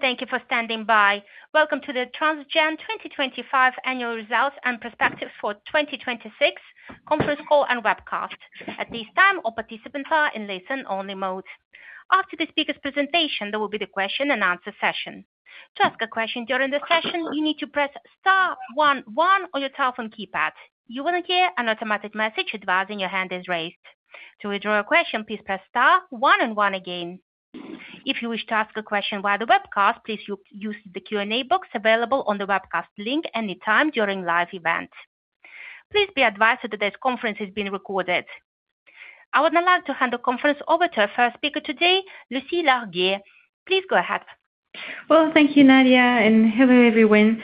Thank you for standing by. Welcome to the Transgene 2025 annual results and perspectives for 2026 conference call and webcast. At this time, all participants are in listen only mode. After the speaker's presentation, there will be the question and answer session. To ask a question during the session, you need to press star one one on your telephone keypad. You will hear an automatic message advising your hand is raised. To withdraw your question, please press star one and one again. If you wish to ask a question via the webcast, please use the Q&A box available on the webcast link any time during live event. Please be advised that today's conference is being recorded. I would now like to hand the conference over to our first speaker today, Lucie Larguier. Please go ahead. Well, thank you, Nadia, and hello, everyone.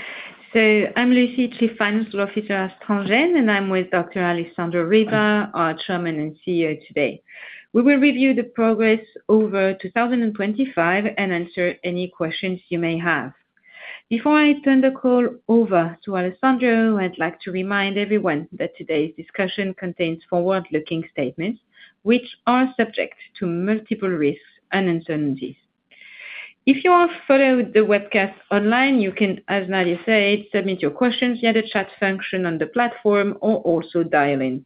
I'm Lucie, Chief Financial Officer at Transgene, and I'm with Dr. Alessandro Riva, our Chairman and CEO today. We will review the progress over 2025 and answer any questions you may have. Before I turn the call over to Alessandro, I'd like to remind everyone that today's discussion contains forward-looking statements, which are subject to multiple risks and uncertainties. If you are following the webcast online, you can, as Nadia said, submit your questions via the chat function on the platform or also dial in.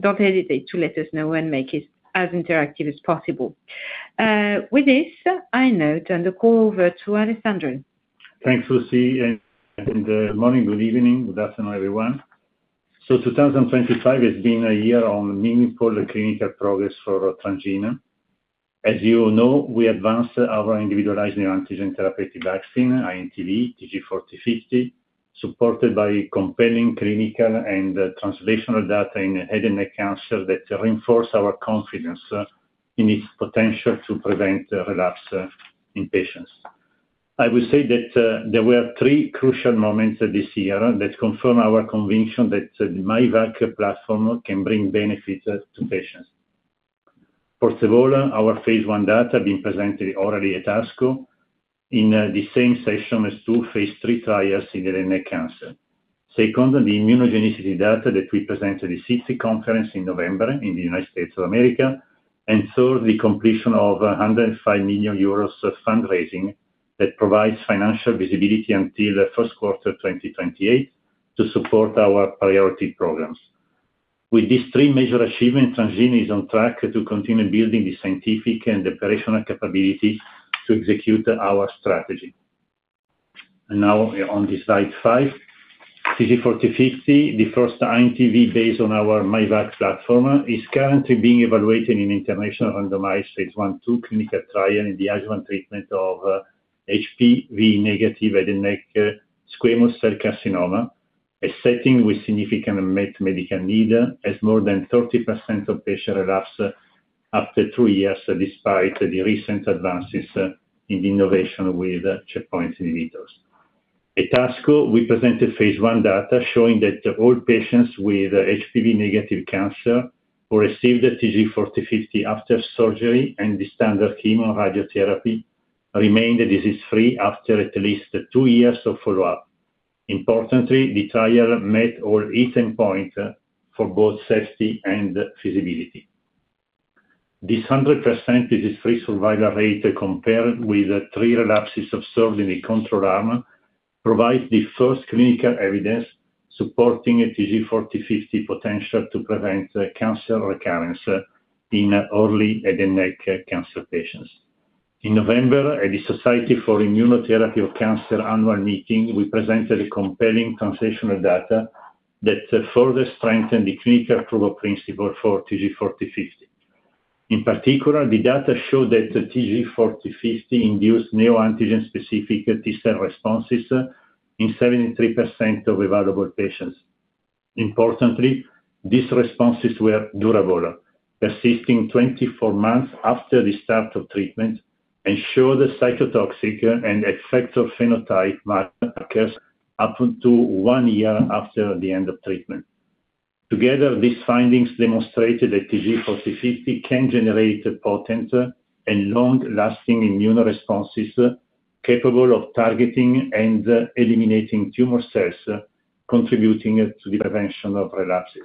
Don't hesitate to let us know and make it as interactive as possible. With this, I now turn the call over to Alessandro. Thanks, Lucie, morning, good evening, good afternoon, everyone. 2025 has been a year of meaningful clinical progress for Transgene. As you all know, we advanced our individualized neoantigen therapeutic vaccine, INTV TG4050, supported by compelling clinical and translational data in head and neck cancer that reinforce our confidence in its potential to prevent relapse in patients. I would say that there were three crucial moments this year that confirm our conviction that the myvac platform can bring benefits to patients. First of all, our phase I data being presented orally at ASCO in the same session as two phase III trials in head and neck cancer. Second, the immunogenicity data that we presented at SITC conference in November in the United States of America. Third, the completion of 105 million euros of fundraising that provides financial visibility until the Q1 2028 to support our priority programs. With these three major achievements, Transgene is on track to continue building the scientific and operational capability to execute our strategy. Now on the slide 5. TG4050, the first INTV based on our myvac® platform, is currently being evaluated in international randomized phase I/II clinical trial in the adjuvant treatment of HPV-negative head and neck squamous cell carcinoma, a setting with significant unmet medical need, as more than 30% of patients relapse after two years, despite the recent advances in innovation with checkpoint inhibitors. At ASCO, we presented phase I data showing that all patients with HPV-negative cancer who received the TG4050 after surgery and the standard chemoradiotherapy remained disease-free after at least two years of follow-up. Importantly, the trial met all endpoints for both safety and feasibility. This 100% disease-free survival rate compared with three relapses observed in the control arm provides the first clinical evidence supporting a TG4050 potential to prevent cancer recurrence in early head and neck cancer patients. In November, at the Society for Immunotherapy of Cancer annual meeting, we presented a compelling translational data that further strengthened the clinical proof of principle for TG4050. In particular, the data showed that the TG4050 induced neoantigen-specific T-cell responses in 73% of evaluable patients. Importantly, these responses were durable, persisting 24 months after the start of treatment and show the cytotoxic and effector phenotype markers up until 1 year after the end of treatment. Together, these findings demonstrated that TG4050 can generate potent and long-lasting immune responses capable of targeting and eliminating tumor cells, contributing to the prevention of relapses.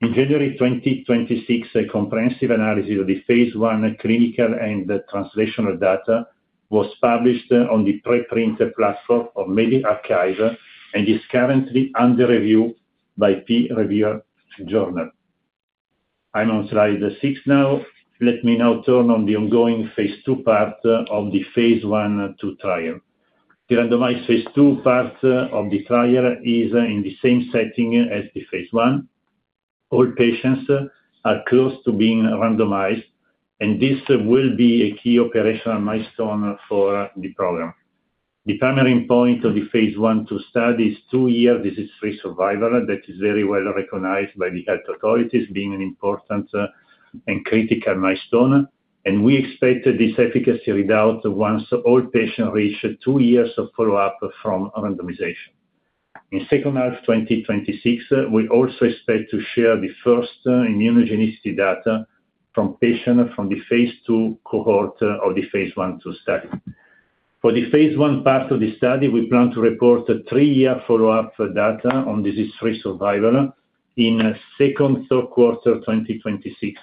In January 2026, a comprehensive analysis of the phase I clinical and translational data was published on the preprint platform of medRxiv and is currently under review by peer-reviewed journal. I'm on slide 6 now. Let me now turn to the ongoing phase II part of the phase I/II trial. The randomized phase II part of the trial is in the same setting as the phase I. All patients are close to being randomized, and this will be a key operational milestone for the program. The primary endpoint of the phase I/II study is two-year disease-free survival. That is very well recognized by the health authorities as being an important and critical milestone, and we expect this efficacy readout once all patients reach two years of follow-up from randomization. In H2 2026, we also expect to share the first immunogenicity data from patients from the phase II cohort of the phase I/II study. For the phase I part of the study, we plan to report a three-year follow-up data on disease-free survival in second, Q3 2026,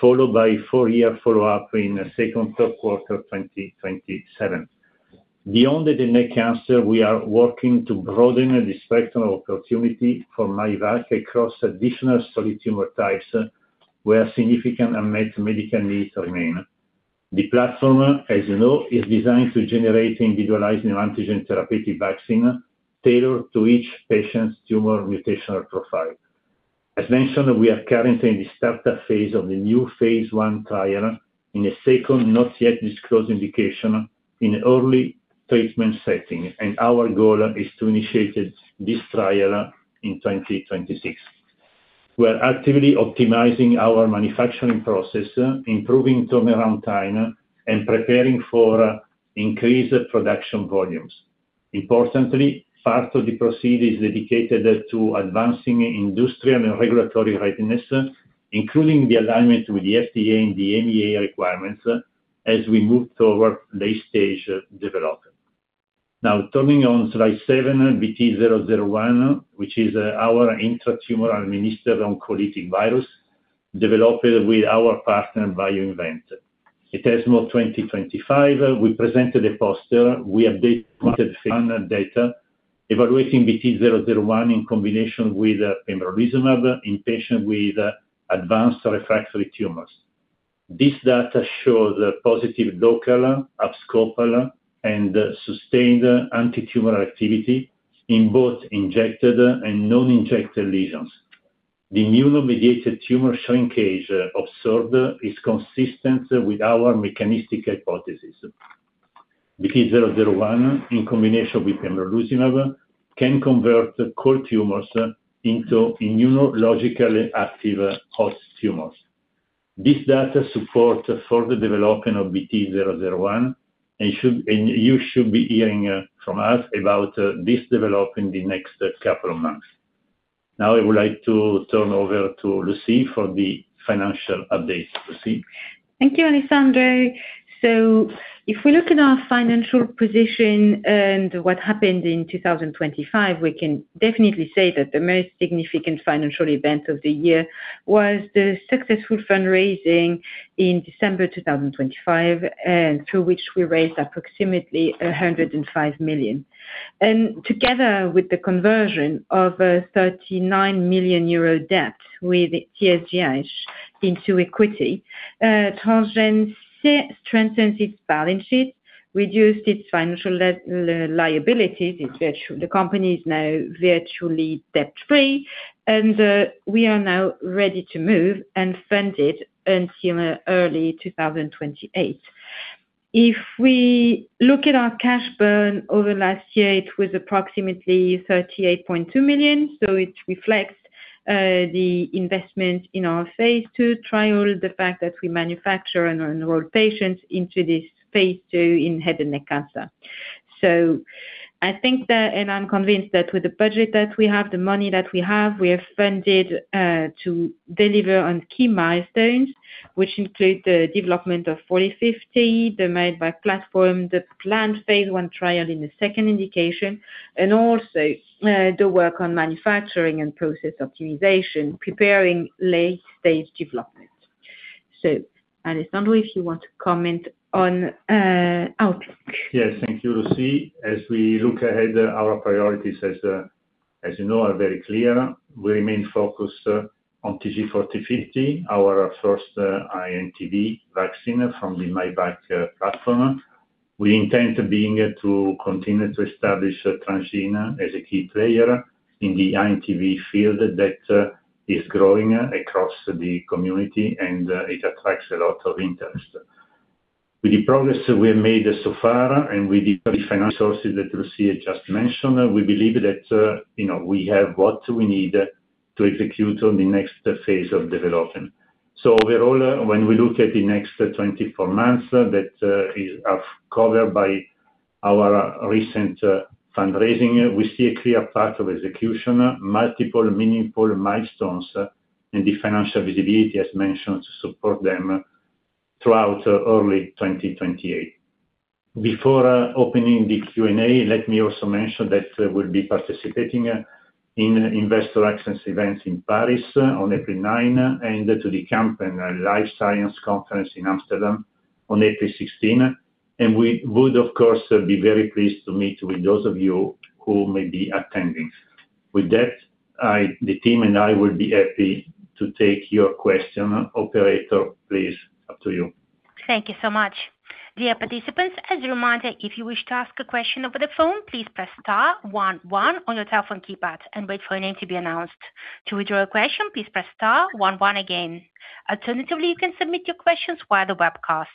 followed by four year follow-up in second, Q3 2027. Beyond head and neck cancer, we are working to broaden the spectrum of opportunity for myvac® across additional solid tumor types where significant unmet medical needs remain. The platform, as you know, is designed to generate individualized neoantigen therapeutic vaccine tailored to each patient's tumor mutational profile. As mentioned, we are currently in the startup phase of the new phase I trial in the second not yet disclosed indication in early treatment setting, and our goal is to initiate it, this trial, in 2026. We are actively optimizing our manufacturing process, improving turnaround time, and preparing for increased production volumes. Importantly, part of the proceeds is dedicated to advancing industrial and regulatory readiness, including the alignment with the FDA and the EMA requirements as we move toward late-stage development. Now turning to slide 7, BT-001, which is our intratumoral administered oncolytic virus developed with our partner, BioInvent. At ESMO 2025, we presented a poster with updated final data evaluating BT-001 in combination with pembrolizumab in patients with advanced refractory tumors. This data shows a positive local abscopal and sustained antitumor activity in both injected and non-injected lesions. The immune-mediated tumor shrinkage observed is consistent with our mechanistic hypothesis. BT-001 in combination with pembrolizumab can convert cold tumors into immunologically active hot tumors. This data supports further development of BT-001. You should be hearing from us about this development in the next couple of months. Now, I would like to turn over to Lucie for the financial update. Lucie? Thank you, Alessandro. If we look at our financial position and what happened in 2025, we can definitely say that the most significant financial event of the year was the successful fundraising in December 2025, through which we raised approximately 105 million. Together with the conversion of a 39 million euro debt with TSG into equity, Transgene strengthened its balance sheet, reduced its financial liabilities. The company is now virtually debt-free, and we are now ready to move and fund it until early 2028. If we look at our cash burn over last year, it was approximately 38.2 million, so it reflects the investment in our phase II trial, the fact that we manufacture and enroll patients into this phase II in head and neck cancer. I think that, and I'm convinced that with the budget that we have, the money that we have, we are funded to deliver on key milestones, which include the development of TG4050, the myvac platform, the planned phase I trial in the second indication, and also the work on manufacturing and process optimization, preparing late-stage development. Alessandro, if you want to comment on outlook. Yes, thank you, Lucie. As we look ahead, our priorities, as you know, are very clear. We remain focused on TG4050, our first INTV vaccine from the myvac® platform. We intend to continue to establish Transgene as a key player in the INTV field that is growing across the community, and it attracts a lot of interest. With the progress we have made so far and with the financial resources that Lucie just mentioned, we believe that, you know, we have what we need to execute on the next phase of development. Overall, when we look at the next 24 months that are covered by our recent fundraising, we see a clear path of execution, multiple meaningful milestones and the financial visibility, as mentioned, to support them throughout early 2028. Before opening the Q&A, let me also mention that we'll be participating in investor access events in Paris on April 9 and to the Kempen Life Sciences Conference in Amsterdam on April 16, and we would, of course, be very pleased to meet with those of you who may be attending. With that, the team and I would be happy to take your question. Operator, please, up to you. Thank you so much. Dear participants, as a reminder, if you wish to ask a question over the phone, please press star one one on your telephone keypad and wait for your name to be announced. To withdraw your question, please press star one one again. Alternatively, you can submit your questions via the webcast.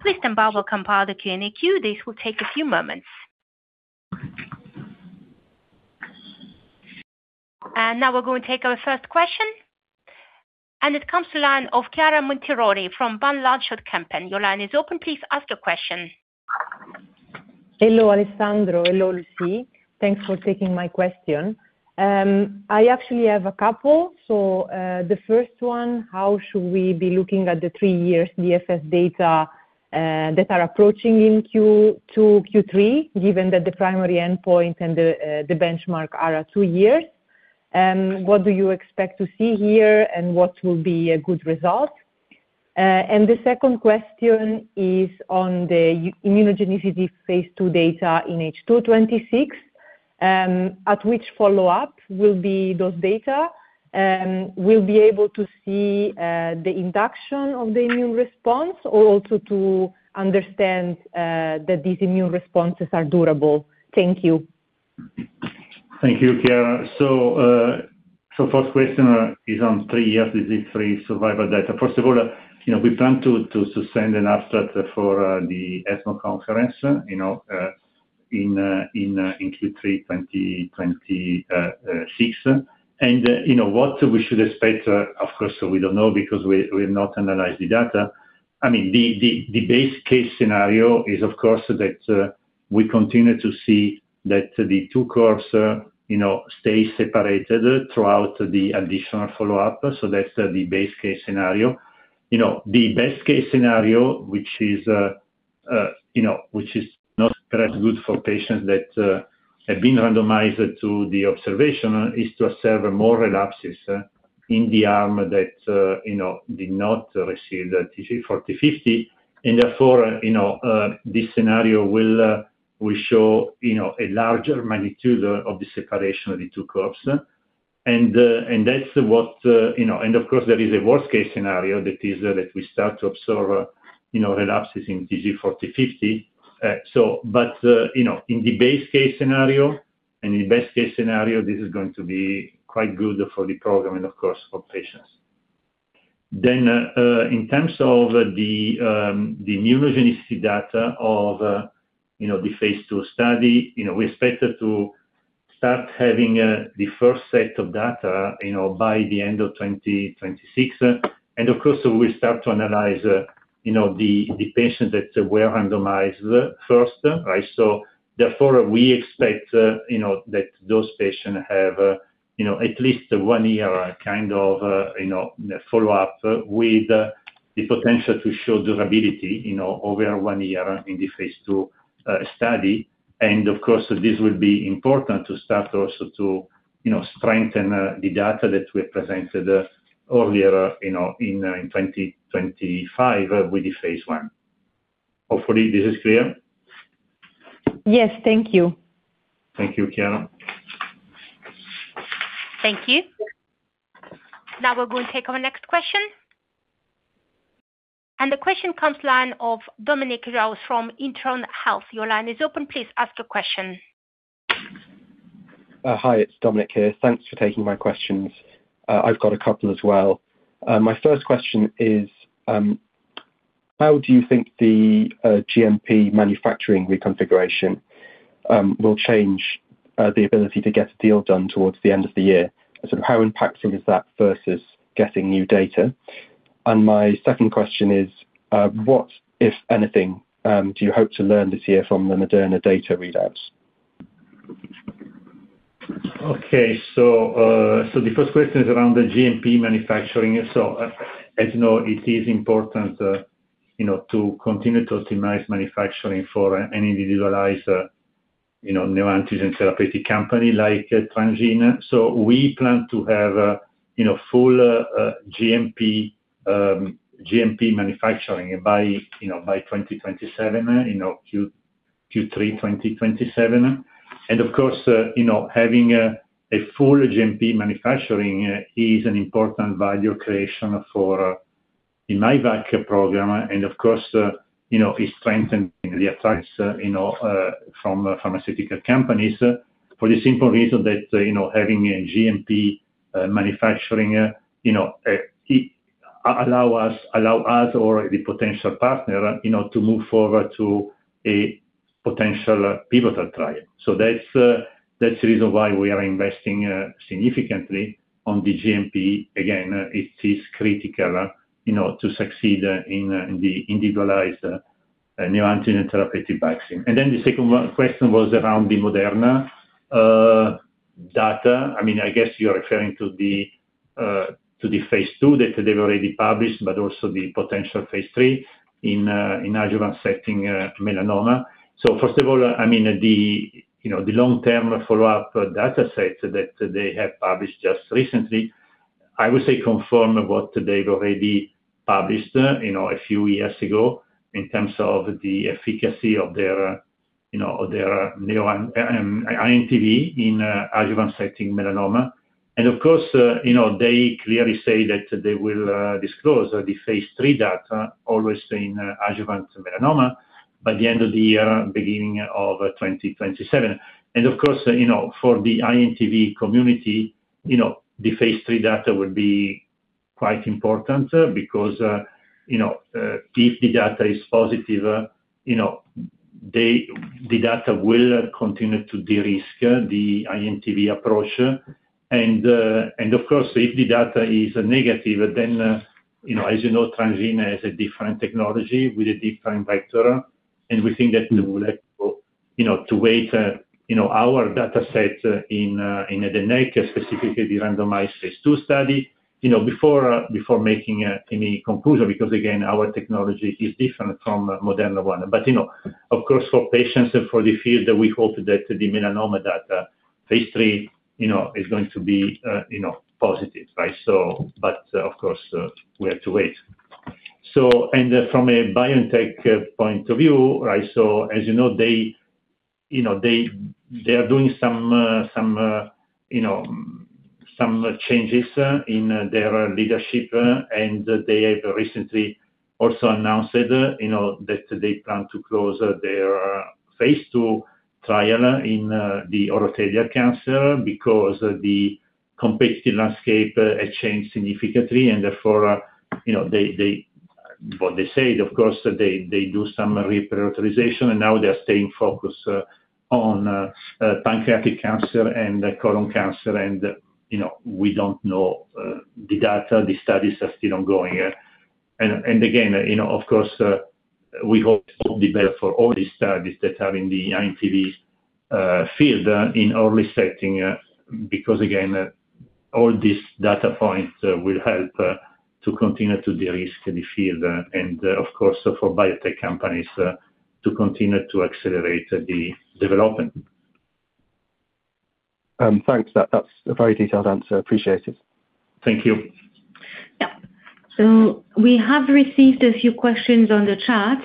Please stand by while we compile the Q&A queue. This will take a few moments. Now we're going to take our first question, and it comes from the line of Chiara Montironi from Van Lanschot Kempen. Your line is open. Please ask your question. Hello, Alessandro. Hello, Lucie. Thanks for taking my question. I actually have a couple. The first one, how should we be looking at the three years DFS data that are approaching in Q2, Q3, given that the primary endpoint and the benchmark are at two years? What do you expect to see here, and what will be a good result? The second question is on the immunogenicity phase II data in H&N. At which follow-up will be those data, we'll be able to see the induction of the immune response or also to understand that these immune responses are durable? Thank you. Thank you, Chiara. First question is on three years disease-free survival data. First of all, you know, we plan to send an abstract for the ESMO conference, you know, in Q3 2026. You know, what we should expect, of course, we don't know because we've not analyzed the data. I mean, the base case scenario is, of course, that we continue to see that the two curves, you know, stay separated throughout the additional follow-up. That's the base case scenario. You know, the best case scenario, which is, you know, which is not perhaps good for patients that have been randomized to the observation is to observe more relapses in the arm that you know, did not receive the TG4050. Therefore, you know, this scenario will show, you know, a larger magnitude of the separation of the two curves, and that's what you know. Of course, there is a worst case scenario, that is, that we start to observe, you know, relapses in TG4050. In the base case scenario, and in best case scenario, this is going to be quite good for the program and of course for patients. In terms of the immunogenicity data of, you know, the phase II study, you know, we expect to start having the first set of data, you know, by the end of 2026. Of course, we start to analyze, you know, the patient that were randomized first, right? Therefore, we expect, you know, that those patients have, you know, at least one year kind of, you know, follow-up with the potential to show durability, you know, over one year in the phase II study. Of course, this will be important to start also to, you know, strengthen the data that we have presented earlier, you know, in 2025 with the phase I. Hopefully, this is clear. Yes. Thank you. Thank you, Chiara. Thank you. Now we're going to take our next question. The question comes from the line of Dominic Sherouse from Intron Health. Your line is open. Please ask your question. Hi, it's Dominic here. Thanks for taking my questions. I've got a couple as well. My first question is, how do you think the GMP manufacturing reconfiguration will change the ability to get a deal done towards the end of the year? How impactful is that versus getting new data? My second question is, what, if anything, do you hope to learn this year from the Moderna data readouts? Okay. The first question is around the GMP manufacturing. As you know, it is important, you know, to continue to optimize manufacturing for an individualized, you know, neoantigen therapeutic company like Transgene. We plan to have, you know, full GMP manufacturing by, you know, by 2027, you know, Q3 2027. And of course, you know, having a full GMP manufacturing is an important value creation for the myvac® program and of course, you know, is strengthening the attractiveness, you know, from pharmaceutical companies. For the simple reason that, you know, having a GMP manufacturing, you know, it allows us or the potential partner, you know, to move forward to a potential pivotal trial. That's the reason why we are investing significantly on the GMP. Again, it is critical, you know, to succeed in the individualized neoantigen therapeutic vaccine. The second one question was around the Moderna data. I mean, I guess you're referring to the phase II that they've already published, but also the potential phase III in adjuvant setting melanoma. First of all, I mean, you know, the long-term follow-up data set that they have published just recently, I would say confirm what they've already published, you know, a few years ago in terms of the efficacy of their INTV in adjuvant setting melanoma. Of course, you know, they clearly say that they will disclose the phase III data, also in adjuvant melanoma, by the end of the year, beginning of 2027. Of course, you know, for the INTV community, you know, the phase III data will be quite important, because, you know, if the data is positive, you know, the data will continue to de-risk the INTV approach. Of course, if the data is negative, then you know, as you know, Transgene has a different technology with a different vector, and we think that we would like, you know, to wait, you know, our data set in head and neck, specifically the randomized phase II study, you know, before making any conclusion because again, our technology is different from Moderna one. But you know, of course, for patients and for the field, we hope that the melanoma data phase III, you know, is going to be, you know, positive, right? Of course, we have to wait. From a biotech point of view, right, so as you know, they, you know, they are doing some changes in their leadership, and they have recently also announced, you know, that they plan to close their phase II trial in the oropharyngeal cancer because the competitive landscape has changed significantly and therefore, you know, what they said, of course, they do some reprioritization, and now they're staying focused on pancreatic cancer and colon cancer and, you know, we don't know the data. The studies are still ongoing. Again, you know, of course, we hope all the best for all the studies that are in the INTV field in early setting, because again, all these data points will help to continue to de-risk the field, and of course, for biotech companies, to continue to accelerate the development. Thanks. That's a very detailed answer. Appreciate it. Thank you. Yeah, we have received a few questions on the chat,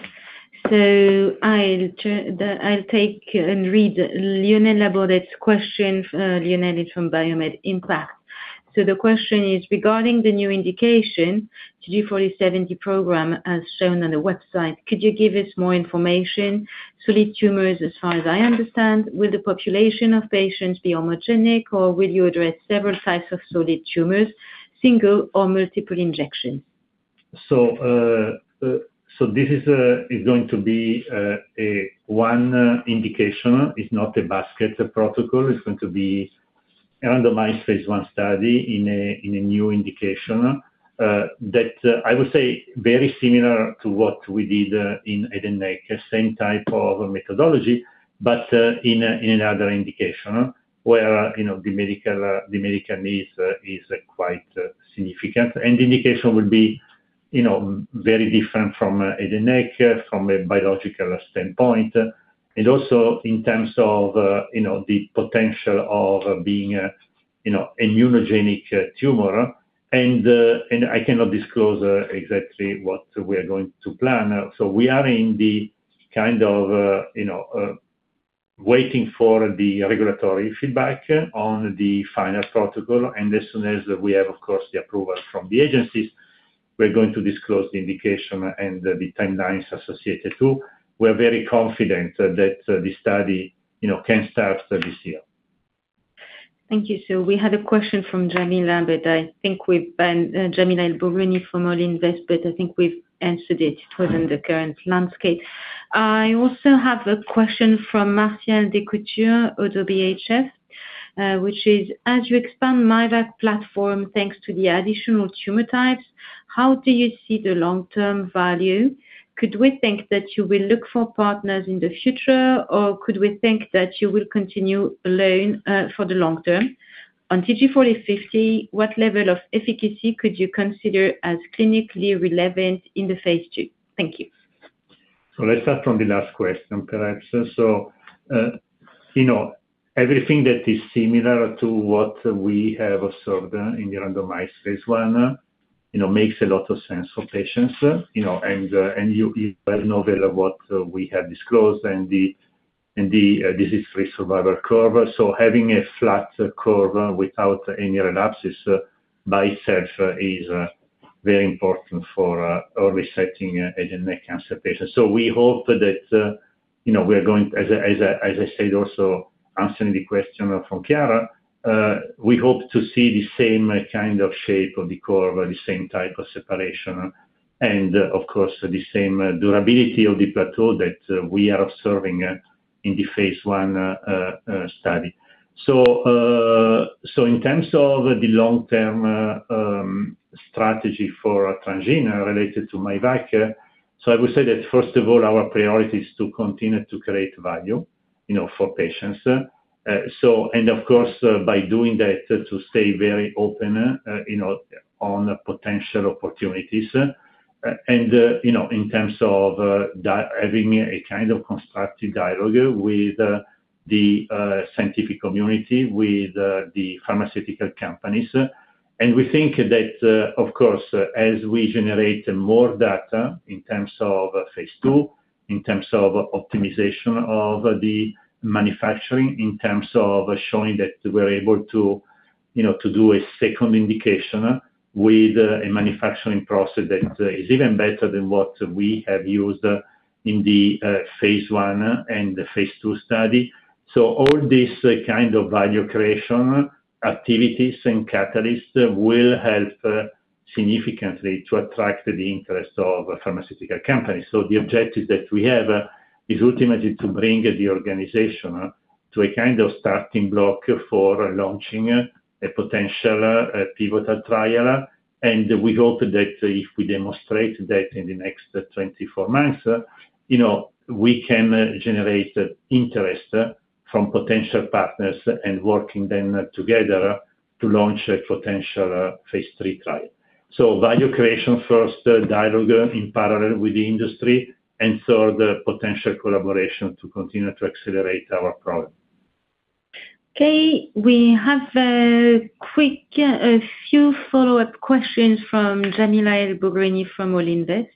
so I'll take and read Lionel Laborde's question. Lionel is from BioMed Impact. The question is regarding the new indication TG 47 program as shown on the website. Could you give us more information, solid tumors, as far as I understand, will the population of patients be homogeneous or will you address several types of solid tumors, single or multiple injections? This is going to be a one indication. It's not a basket protocol. It's going to be a randomized phase I study in a new indication that I would say very similar to what we did in head and neck, same type of methodology, but in another indication where you know the medical need is quite significant. The indication will be you know very different from head and neck from a biological standpoint, and also in terms of you know the potential of being a you know immunogenic tumor. I cannot disclose exactly what we are going to plan. We are kind of waiting for the regulatory feedback on the final protocol. As soon as we have, of course, the approval from the agencies, we're going to disclose the indication and the timelines associated too. We're very confident that the study, you know, can start this year. Thank you. We had a question from Jamilia El Bougrini, but I think Jamilia El Bougrini from Investec Securities, but I think we've answered it within the current landscape. I also have a question from Martial Descoutr, ODDO BHF, which is, as you expand myvac® platform, thanks to the additional tumor types, how do you see the long-term value? Could we think that you will look for partners in the future, or could we think that you will continue alone, for the long term? On TG4050, what level of efficacy could you consider as clinically relevant in the phase II? Thank you. Let's start from the last question, perhaps. You know, everything that is similar to what we have observed in the randomized phase I, you know, makes a lot of sense for patients, you know, and you are well aware of what we have disclosed and the disease-free survival curve. Having a flat curve without any relapses by itself is very important for early-stage head and neck cancer patients. We hope that, you know, we are going as I said, also answering the question from Chiara, we hope to see the same kind of shape of the curve or the same type of separation and of course, the same durability of the plateau that we are observing in the phase I study. In terms of the long-term strategy for Transgene related to myvac, I would say that first of all, our priority is to continue to create value, you know, for patients. Of course, by doing that, to stay very open, you know, on potential opportunities. You know, in terms of having a kind of constructive dialogue with the scientific community, with the pharmaceutical companies. We think that, of course, as we generate more data in terms of phase II, in terms of optimization of the manufacturing, in terms of showing that we're able to, you know, to do a second indication with a manufacturing process that is even better than what we have used in the phase I and the phase II study. All this kind of value creation activities and catalysts will help significantly to attract the interest of pharmaceutical companies. The objective that we have is ultimately to bring the organization to a kind of starting block for launching a potential pivotal trial. We hope that if we demonstrate that in the next 24 months, you know, we can generate interest from potential partners and working then together to launch a potential phase III trial. Value creation first dialogue in parallel with the industry, and so the potential collaboration to continue to accelerate our product. We have a few follow-up questions from Jamilia El Bougrini from Investec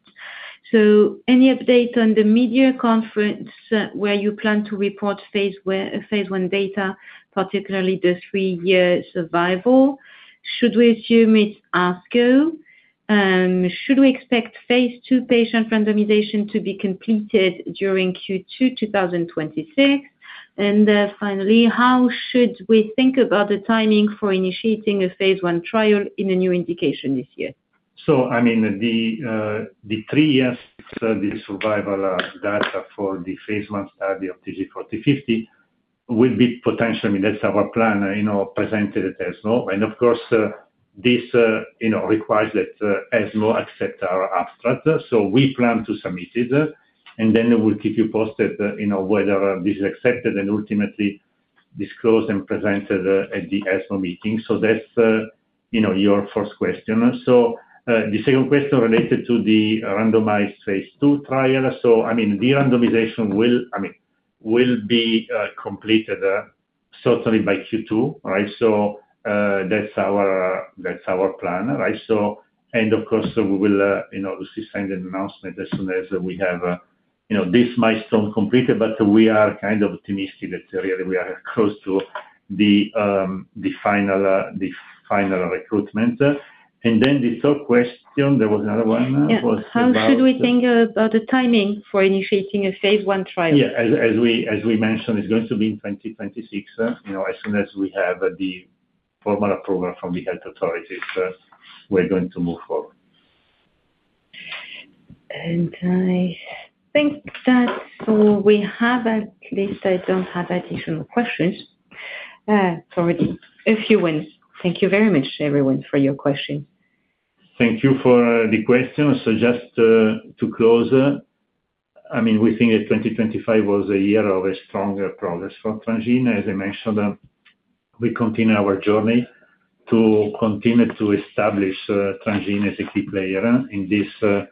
Securities. Any update on the medical conference where you plan to report phase I data, particularly the three-year survival? Should we assume it's ASCO? Should we expect phase II patient randomization to be completed during Q2 2026? Finally, how should we think about the timing for initiating a phase I trial in a new indication this year? I mean, the 3-year study survival data for the phase I study of TG4050 will be presented at ESMO. I mean, that's our plan, you know. Of course, this, you know, requires that ESMO accept our abstract. We plan to submit it, and then we'll keep you posted, you know, whether this is accepted and ultimately disclosed and presented at the ESMO meeting. That's your first question. The second question related to the randomized phase II trial. I mean, the randomization will be completed certainly by Q2. All right? That's our plan, right? Of course, we will, you know, obviously send an announcement as soon as we have, you know, this milestone completed. We are kind of optimistic that really we are close to the final recruitment. Then the third question, there was another one was about- How should we think about the timing for initiating a phase I trial? Yeah. As we mentioned, it's going to be in 2026. You know, as soon as we have the formal approval from the health authorities, we're going to move forward. I think that's all we have. At least I don't have additional questions. If you will, thank you very much, everyone, for your question. Thank you for the question. Just to close, I mean, we think that 2025 was a year of stronger progress for Transgene. As I mentioned, we continue our journey to establish Transgene as a key player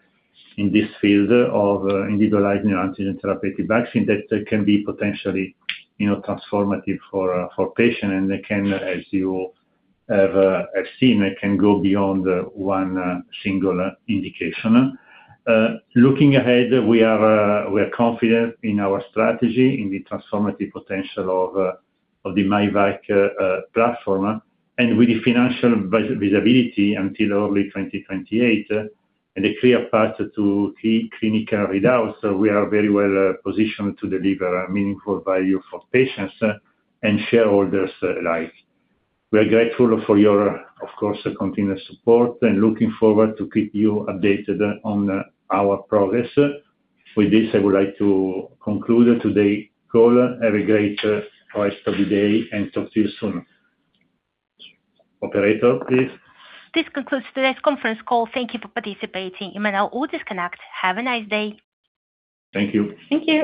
in this field of individualized antigen therapy vaccine that can be potentially, you know, transformative for patients. They can, as you have seen, go beyond one single indication. Looking ahead, we are confident in our strategy, in the transformative potential of the myvac® platform. With the financial visibility until early 2028 and a clear path to key clinical readouts, we are very well positioned to deliver meaningful value for patients and shareholders alike. We are grateful for your, of course, continuous support and looking forward to keep you updated on our progress. With this, I would like to conclude today's call. Have a great rest of the day and talk to you soon. Operator, please. This concludes today's conference call. Thank you for participating. You may now all disconnect. Have a nice day. Thank you. Thank you.